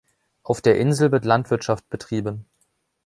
Auf der Insel wird Landwirtschaft betrieben.